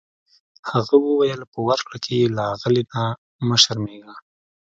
هغه وویل په ورکړه کې یې له اغلې نه مه شرمیږه.